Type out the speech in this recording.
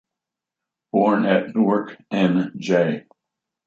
Born at Newark, N. J.